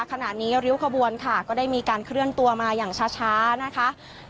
ขณะนี้ริ้วขบวนค่ะก็ได้มีการเคลื่อนตัวมาอย่างช้านะคะ